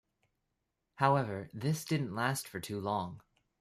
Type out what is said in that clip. However, this didn't last for too long.